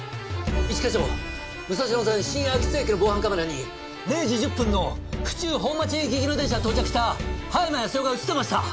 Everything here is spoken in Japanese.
一課長武蔵野線新秋津駅の防犯カメラに０時１０分の府中本町駅行きの電車で到着した葉山康代が映ってました！